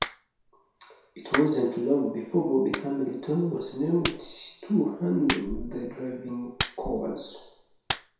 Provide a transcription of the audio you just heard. It wasn't long before Bobby Hamilton was named to handle the driving chores.